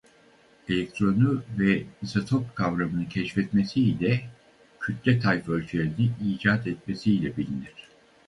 Elektronu ve izotop kavramını keşfetmesi ile kütle tayfölçerini icat etmesiyle bilinir.